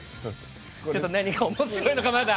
ちょっと何が面白いのかまだ。